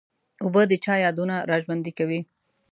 اوبه د چا یادونه را ژوندي کوي.